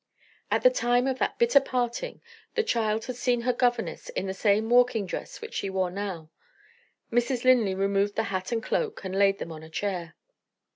At the time of that bitter parting, the child had seen her governess in the same walking dress which she wore now. Mrs. Linley removed the hat and cloak, and laid them on a chair.